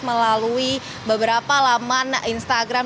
melalui beberapa laman instagram